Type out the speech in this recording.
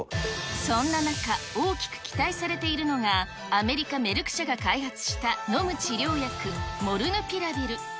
そんな中、大きく期待されているのが、アメリカ・メルク社が開発した飲む治療薬、モルヌピラビル。